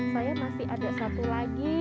saya masih ada satu lagi